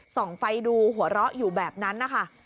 ส่องไฟดูหัวเราะอยู่แบบนั้นนะคะ